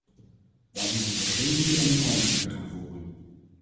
Dan hoeven we geen nieuwe onderhandelingen te gaan voeren.